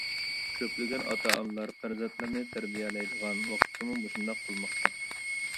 كۆپلىگەن ئاتا-ئانىلار پەرزەنتلىرىنى تەربىيەلەيدىغان ۋاقىتتىمۇ مۇشۇنداق قىلماقتا.